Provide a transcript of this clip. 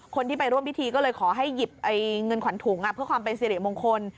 คนที่ไปร่วมพิธีก็เลยขอให้หยิบเงินขวัญถุงเพื่อความเป็นสิริมงคล